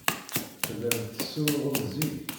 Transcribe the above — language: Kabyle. Tellam tessunuɣem zik.